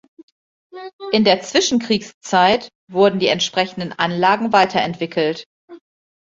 In der Zwischenkriegszeit wurden die entsprechenden Anlagen weiterentwickelt.